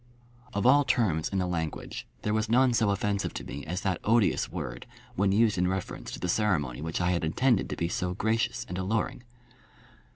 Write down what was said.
Of all terms in the language there was none so offensive to me as that odious word when used in reference to the ceremony which I had intended to be so gracious and alluring.